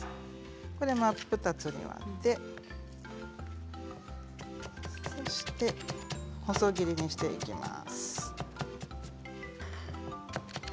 真っ二つに割ってそして細切りにしていきます。